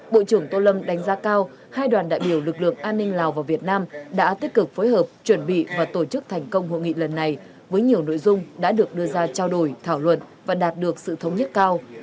bộ trưởng tô lâm đánh giá cao hai đoàn đại biểu lực lượng an ninh lào và việt nam đã tích cực phối hợp chuẩn bị và tổ chức thành công hội nghị lần này với nhiều nội dung đã được đưa ra trao đổi thảo luận và đạt được sự thống nhất cao